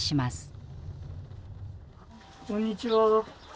こんにちは。